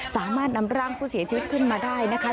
สามารถนำร่างผู้เสียชีวิตขึ้นมาได้นะคะ